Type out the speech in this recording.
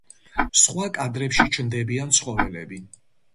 სხვა კადრებში ჩნდებიან ცხოველები.